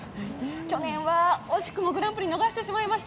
去年は惜しくもグランプリ逃してしまいました。